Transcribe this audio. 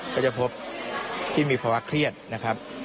ก็จะพบที่มีภาวะเครียดนะครับ